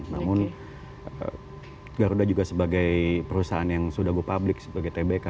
namun garuda juga sebagai perusahaan yang sudah go public sebagai tbk